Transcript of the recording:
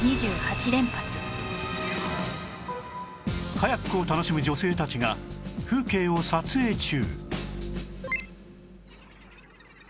カヤックを楽しむ女性たちが風景を撮影中